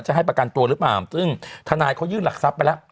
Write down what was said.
ให้ประกันตัวหรือเปล่าซึ่งทนายเขายื่นหลักทรัพย์ไปแล้ว